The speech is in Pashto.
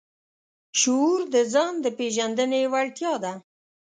شعور د ځان د پېژندنې وړتیا ده.